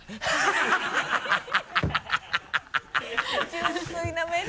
純粋な目で。